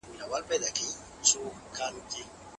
دا کار کتاب ته ځانګړی اهمیت ورکوي.